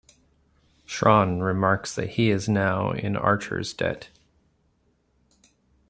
Shran remarks that he is now in Archer's debt.